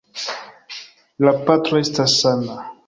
La patro estas sana.